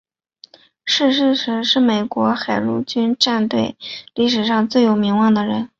逝世时是美国海军陆战队历史上最有名望的人。